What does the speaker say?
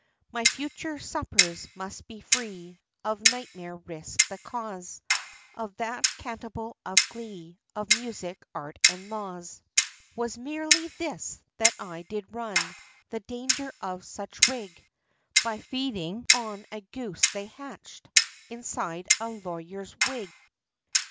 My future suppers, must be free Of nightmare risk; the cause Of that cantabile of glee, On music, art, and laws; Was merely this, that I did run, The danger of such rig, By feeding on a goose, they hatched, Inside a lawyer's wig.